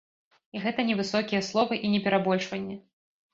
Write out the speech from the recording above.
І гэта не высокія словы і не перабольшванне.